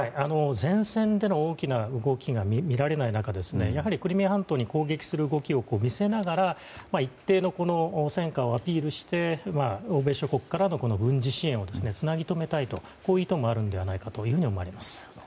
前線での大きな動きが見られない中でクリミア半島に攻撃する動きを見せながら一定の戦果をアピールして欧米諸国からの軍事支援をつなぎ留めたいとこういう意図があるのではないかと思われます。